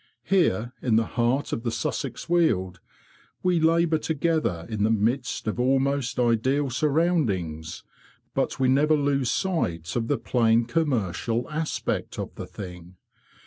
Here, in the heart of the Sussex Weald, we labour together in the midst of almost ideal surroundings, but we never lose sight of the plain, commercial aspect of the thing.